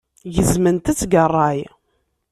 Gezment-tt deg ṛṛay.